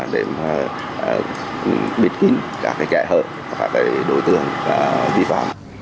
để bịt kín các kẻ hợp các đối tượng vi phạm